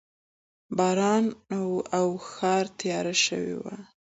باران و او ښار تیاره شوی و